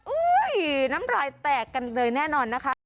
น้ำรายแตกกันเลยแน่นอนนะคะ